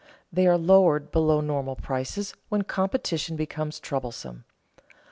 They are lowered below normal prices when competition becomes troublesome.